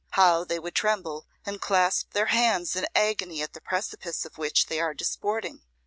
how they would tremble, and clasp their hands in agony at the precipice on which they are disporting!